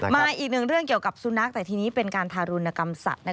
มาอีกหนึ่งเรื่องเกี่ยวกับสุนัขแต่ทีนี้เป็นการทารุณกรรมสัตว์